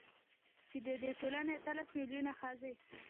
چـې د دې ټـولـنې اتـلس مـيلـيونـه ښـځـې .